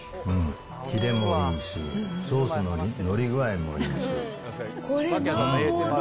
キレもいいし、ソースの載り具合もいいし。